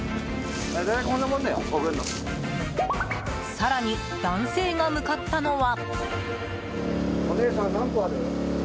更に、男性が向かったのは。